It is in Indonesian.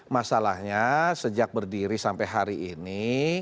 masalahnya sejak berdiri sampai hari ini